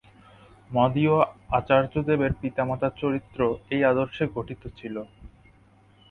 মদীয় আচার্যদেবের পিতামাতার চরিত্র এই আদর্শে গঠিত ছিল।